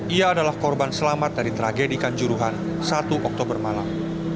ia adalah korban selamat dari tragedi kanjuruhan satu oktober malam